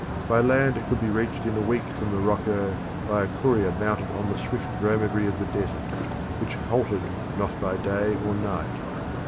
By land it could be reached in a week from Morocco by a courier mounted on the swift dromedary of the desert, which halted not by day or night.